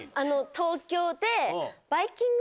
東京で。